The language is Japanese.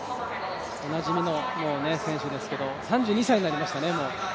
おなじみの選手ですけど、３２歳になりましたね。